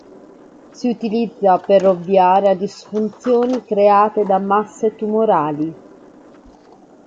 Si utilizza per ovviare a disfunzioni create da masse tumorali.